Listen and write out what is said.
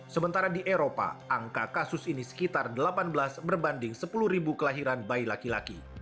sementara di eropa angka kasus ini sekitar delapan belas berbanding sepuluh ribu kelahiran bayi laki laki